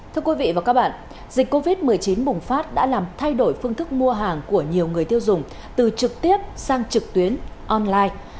thưa quý vị và các bạn dịch covid một mươi chín bùng phát đã làm thay đổi phương thức mua hàng của nhiều người tiêu dùng từ trực tiếp sang trực tuyến online